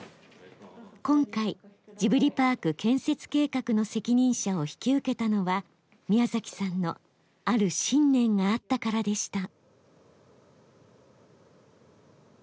今回ジブリパーク建設計画の責任者を引き受けたのは宮崎さんのある信念があったからでした。